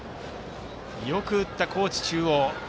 よく打った高知中央。